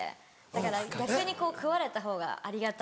だから逆に食われたほうがありがたい。